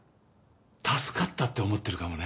助かったって思ってるかもね。